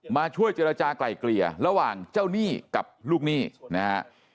มาช่วยเจรจากลายเกลี่ยระหว่างเจ้าหนี้กับลูกหนี้นะฮะ